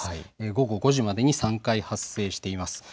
午後５時までに３回発生しています。